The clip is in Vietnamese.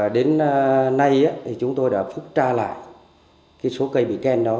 đến nay chúng tôi đã phúc tra lại số cây bị khen đó